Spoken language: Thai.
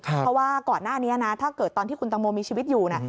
เพราะว่าก่อนหน้านี้นะถ้าเกิดตอนที่คุณตังโมมีชีวิตอยู่